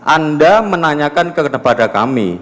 anda menanyakan kepada kami